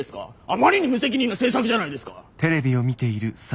あまりに無責任な政策じゃないですか！